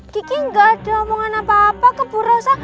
kiki gak ada omongan apa apa ke ibu rosa